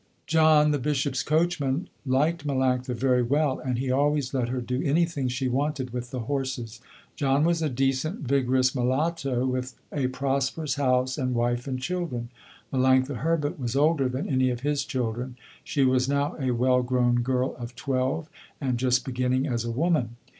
John, the Bishops' coachman, liked Melanctha very well and he always let her do anything she wanted with the horses. John was a decent, vigorous mulatto with a prosperous house and wife and children. Melanctha Herbert was older than any of his children. She was now a well grown girl of twelve and just beginning as a woman.